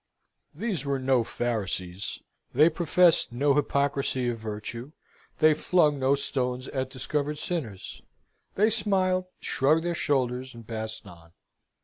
These were no Pharisees: they professed no hypocrisy of virtue, they flung no stones at discovered sinners: they smiled, shrugged their shoulders, and passed on.